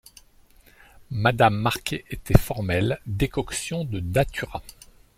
Madame Marquet était formelle : décoction de datura.